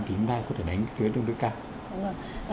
chúng ta có thể đánh thuế tương đối cao